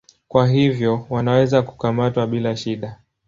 Kwa hivyo wanaweza kukamatwa bila shida.